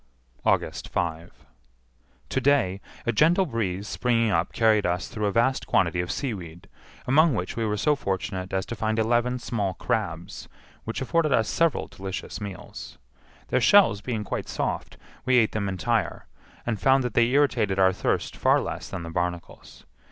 August 5. To day, a gentle breeze springing up carried us through a vast quantity of seaweed, among which we were so fortunate as to find eleven small crabs, which afforded us several delicious meals. Their shells being quite soft, we ate them entire, and found that they irritated our thirst far less than the barnacles.